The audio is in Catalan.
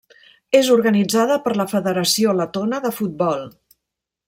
És organitzada per la federació letona de futbol.